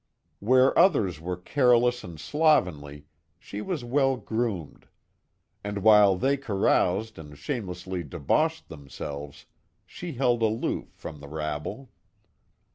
Where others were careless and slovenly, she was well groomed. And while they caroused and shamelessly debauched themselves, she held aloof from the rabble.